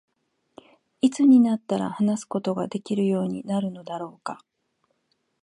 何時になったら話すことができるようになるのだろうか。